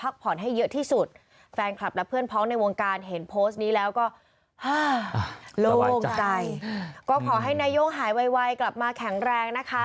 ก็ขอให้นายโย่งหายไวกลับมาแข็งแรงนะคะ